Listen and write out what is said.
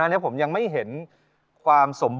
อุบันติเหตุหัวหัวใจหุกรณีรักกันบ่มีส่องเอง